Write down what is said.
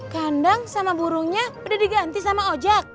kandang sama burungnya udah diganti sama ojek